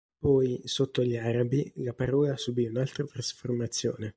Poi, sotto gli Arabi, la parola subì un'altra trasformazione.